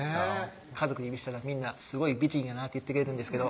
家族に見せたらみんな「すごい美人やな」って言ってくれるんですけど